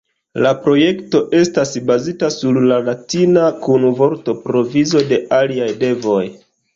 La projekto estas bazita sur la latina kun vortprovizo de aliaj devenoj.